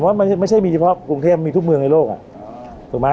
ว่ามันไม่ใช่มีเฉพาะกรุงเทพมีทุกเมืองในโลกถูกไหม